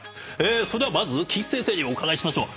それではまず岸先生にお伺いしましょう。